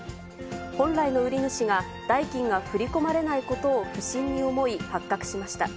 本来の売り主が、代金が振り込まれないことを不審に思い発覚しました。